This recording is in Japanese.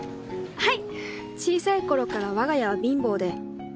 はい。